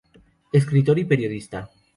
Escritor y periodista.